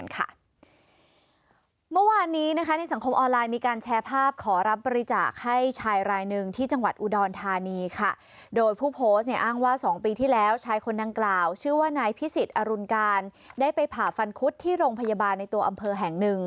ขอรับปริจาคให้ชายรายนึงที่จังหวัดอุดอลธานีค่ะ